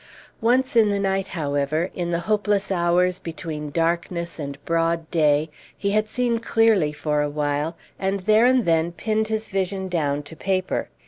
Once in the night, however, in the hopeless hours between darkness and broad day, he had seen clearly for a while, and there and then pinned his vision down to paper.